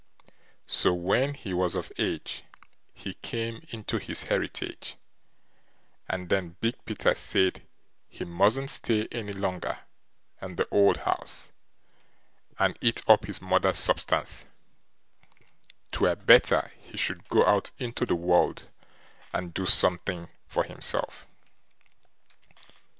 So when he was of age he came into his heritage, and then Big Peter said he mustn't stay any longer in the old house, and eat up his mother's substance; 'twere better he should go out into the world and do something for himself.